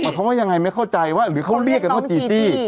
คำว่ายังไงไม่เข้าใจว่าหรือเขาเรียกกันว่าจีจี้